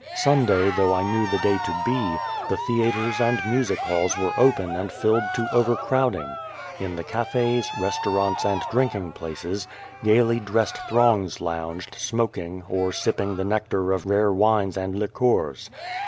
Sunday though I knew the day to be, the theatres and music halls were open and filled to overcrowding. In the cafes, restaurants and drinking places, gaily dressed throngs lounged, smoking, or sipping the nectar of rare wines and liqueurs.